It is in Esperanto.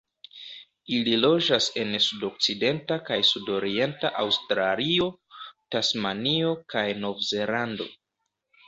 Ili loĝas en sudokcidenta kaj sudorienta Aŭstralio, Tasmanio, kaj Novzelando.